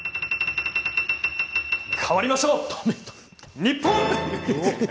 変わりましょう、日本！